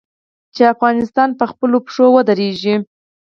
چې افغانستان په خپلو پښو ودریږي.